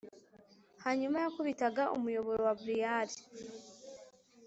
hanyuma yakubitaga umuyoboro wa briar